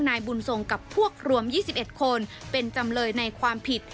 นายบุญทรงกับพวกรวม๒๑คนเป็นจำเลยในความผิด